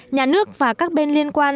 nhà nước và các bên liên quan